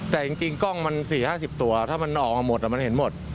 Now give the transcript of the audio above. แต่จริงจริงกล้องมันสี่ห้าสิบตัวถ้ามันออกมาหมดอ่ะมันเห็นหมด